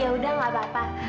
ya udah lah bapak